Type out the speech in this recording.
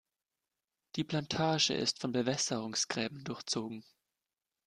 Die Plantage ist von Bewässerungsgräben durchzogen.